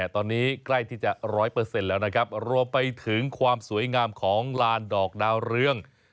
ตอนนี้ใกล้ที่จะร้อยเปอร์เซ็นต์แล้วรวมไปถึงความสวยงามของลานดอกดาวเรือง